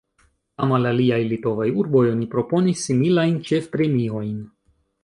Jam al aliaj litovaj urboj oni proponis similajn ĉefpremiojn.